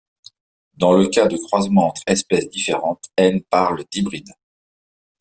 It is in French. Dans le cas de croisement entre espèces différentes n parle d'hybrides.